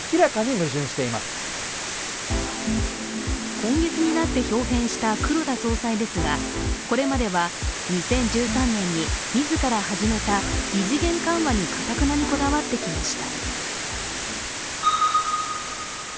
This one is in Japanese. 今月になってひょう変した黒田総裁ですがこれまでは２０１３年に自ら始めた異次元緩和にかたくなにこだわってきました。